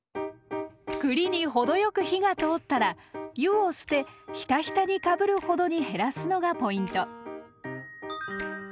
栗に程よく火が通ったら湯を捨てヒタヒタにかぶるほどに減らすのがポイント。